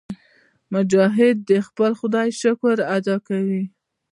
مجاهد د خپل خدای شکر ادا کوي.